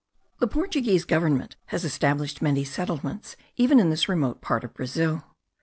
The Portuguese government has established many settlements even in this remote part of Brazil.